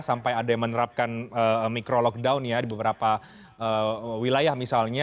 sampai ada yang menerapkan micro lockdown ya di beberapa wilayah misalnya